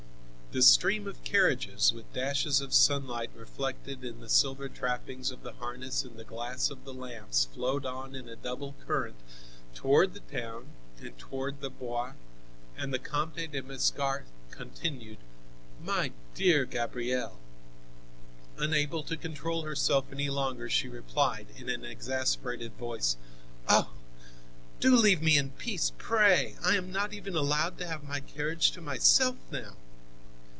The stream of carriages, with dashes of sunlight reflected in the silver trappings of the harness and the glass of the lamps, flowed on in a double current toward the town and toward the Bois, and the Comte de Mascaret continued: "My dear Gabrielle!" Unable to control herself any longer, she replied in an exasperated voice: "Oh! do leave me in peace, pray! I am not even allowed to have my carriage to myself now."